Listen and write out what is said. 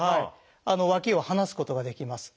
脇を離すことができます。